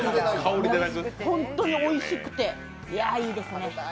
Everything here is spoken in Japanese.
本当においしくて、いや、いいですね。